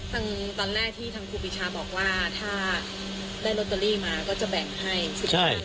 ตอนแรกที่ทางครูปีชาบอกว่าถ้าได้ลอตเตอรี่มาก็จะแบ่งให้สุดท้าย